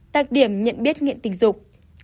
đặc điểm nhận biết nghiện tình dục